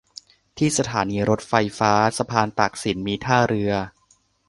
ที่สถานีรถไฟฟ้าสะพานตากสินมีท่าเรือ